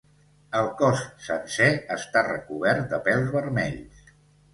El cos sencer està recobert de pèls vermells.